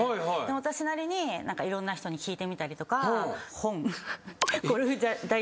私なりにいろんな人に聞いてみたりとか。